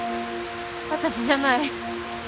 私じゃない。